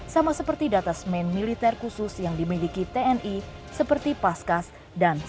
sama seperti datasmen militer khusus yang dimiliki tni seperti paskas dan tiongkok